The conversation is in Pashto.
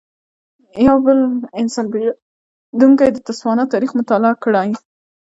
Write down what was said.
یو بل انسان پېژندونکی د تسوانا تاریخ مطالعه کړی.